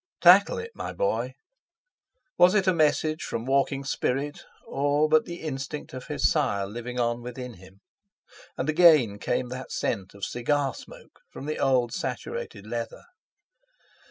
Tackle it, my boy!" Was it a message from walking spirit; or but the instinct of his sire living on within him? And again came that scent of cigar smoke from the old saturated leather.